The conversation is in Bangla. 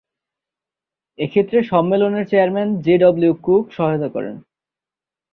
এক্ষেত্রে সম্মেলনের চেয়ারম্যান জে ডব্লিউ কুক সহায়তা করেন।